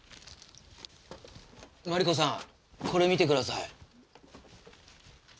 マリコさんこれ見てください。